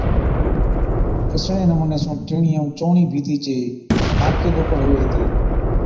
اِسڙي نمُوني سُون ٽِيڻِي ائُون چَئُوڻِي ڀِيتي چي آپڪي ڏوڪر هُوَي هِتي۔